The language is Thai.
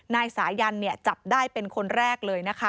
นายสายันศรีศุกร์จับได้เป็นคนแรกเลยนะคะ